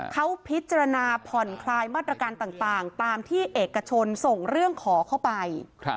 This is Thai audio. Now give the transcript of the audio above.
เขาพิจารณาผ่อนคลายมาตรการต่างตามที่เอกชนส่งเรื่องขอเข้าไป